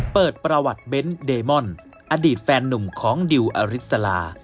เปิดประวัติเบ้นเดมอนอดีตแฟนนุ่มของดิวอริสลา